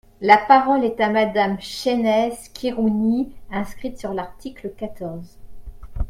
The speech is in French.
La parole est à Madame Chaynesse Khirouni, inscrite sur l’article quatorze.